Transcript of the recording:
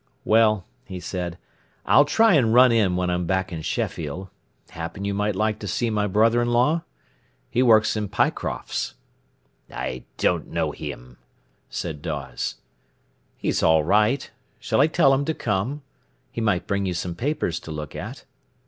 "Well," he said, "I'll try and run in when I'm back in Sheffield. Happen you might like to see my brother in law? He works in Pyecrofts." "I don't know him," said Dawes. "He's all right. Should I tell him to come? He might bring you some papers to look at."